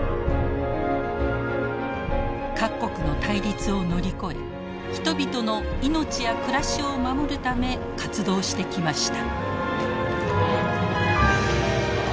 各国の対立を乗り越え人々の命や暮らしを守るため活動してきました。